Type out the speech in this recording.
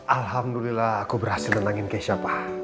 alhamdulillah aku berhasil nangin keisha pak